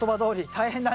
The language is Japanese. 大変だ。